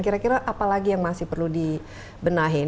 kira kira apa lagi yang masih perlu dibenahi